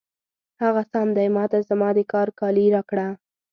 هغه سم دی، ما ته زما د کار کالي راکړه.